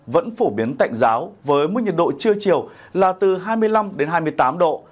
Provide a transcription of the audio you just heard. vẫn phổ biến tạnh giáo với mức nhiệt độ trưa chiều là từ hai mươi năm đến hai mươi tám độ